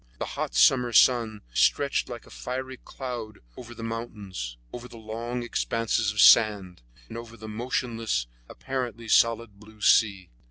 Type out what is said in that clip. The hot summer sun stretched like a fiery cloth over the mountains, over the long expanses of sand, and over the motionless, apparently solid blue sea.